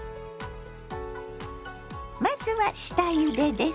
まずは下ゆでです。